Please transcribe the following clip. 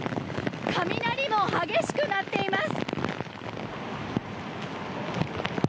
雷も激しく鳴っています。